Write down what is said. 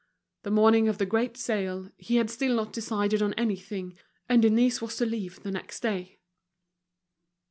The morning of the great sale, he had still not decided on anything, and Denise was to leave the next day.